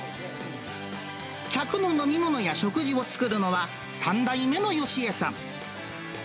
客の飲み物や食事を作るのは、３代目のよしえさん。